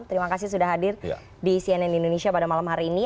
terima kasih sudah hadir di cnn indonesia pada malam hari ini